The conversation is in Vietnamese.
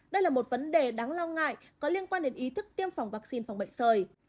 đây là một vấn đề đáng lo ngại có liên quan đến ý thức tiêm phòng vaccine phòng bệnh sởi